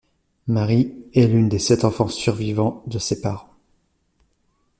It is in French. Mary est l'une des sept enfants survivants de ses parents.